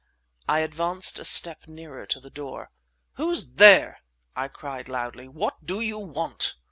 I advanced a step nearer to the door. "Who's there?" I cried loudly. "What do you want?"